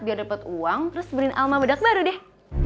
biar dapat uang terus berin alma bedak baru deh